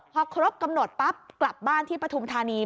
พอครบกำหนดปั๊บกลับบ้านที่ปฐุมธานี